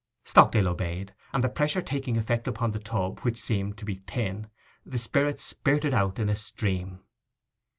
Stockdale obeyed; and the pressure taking effect upon the tub, which seemed, to be thin, the spirit spirted out in a stream.